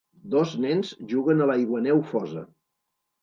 Dos nens juguen a l'aiguaneu fosa.